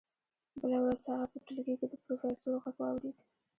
بله ورځ هغه په ټولګي کې د پروفیسور غږ واورېد